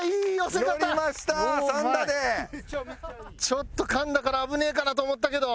ちょっと噛んだから危ねえかなと思ったけど。